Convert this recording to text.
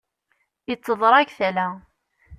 Itteḍṛag tala.